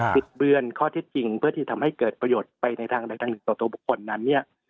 ิดเบือนข้อเท็จจริงเพื่อที่ทำให้เกิดประโยชน์ไปในทางใดทางหนึ่งต่อตัวบุคคลนั้นเนี่ย